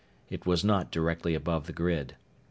It was not directly above the grid.